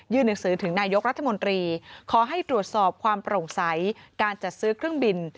หนังสือถึงนายกรัฐมนตรีขอให้ตรวจสอบความโปร่งใสการจัดซื้อเครื่องบิน